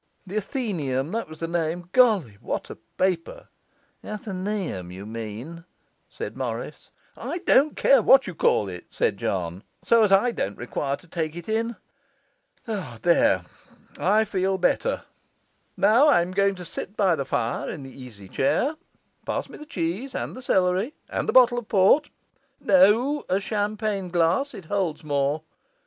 The Athaeneum, that was the name! Golly, what a paper!' 'Athenaeum, you mean,' said Morris. 'I don't care what you call it,' said John, 'so as I don't require to take it in! There, I feel better. Now I'm going to sit by the fire in the easy chair; pass me the cheese, and the celery, and the bottle of port no, a champagne glass, it holds more.